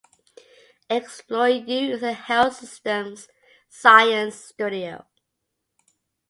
Explore You is a health systems science studio.